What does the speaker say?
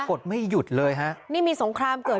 พวกมันต้องกินกันพี่